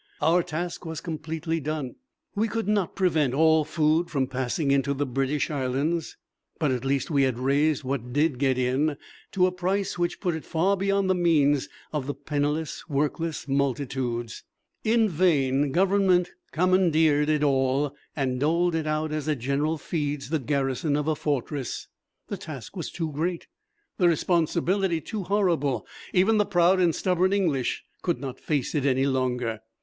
Our task was completely done. We could not prevent all food from passing into the British Islands, but at least we had raised what did get in to a price which put it far beyond the means of the penniless, workless multitudes. In vain Government commandeered it all and doled it out as a general feeds the garrison of a fortress. The task was too great the responsibility too horrible. Even the proud and stubborn English could not face it any longer.